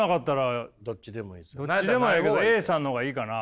どっちでもええけどＡさんの方がいいかな？